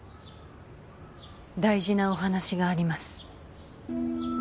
大事なお話があります